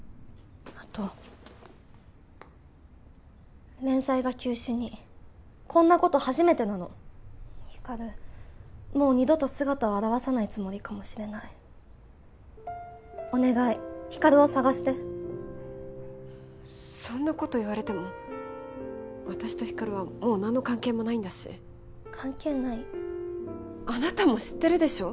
あと連載が休止にこんなこと初めてなの光琉もう二度と姿を現さないつもりかもしれないお願い光琉を捜してそんなこと言われても私と光琉はもう何の関係もないんだし関係ない？あなたも知ってるでしょ？